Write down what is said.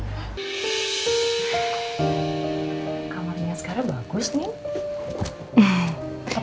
kamarnya askara bagus nin